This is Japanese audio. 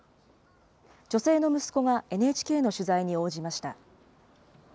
女性の息子がＮＨＫの取材に応じました。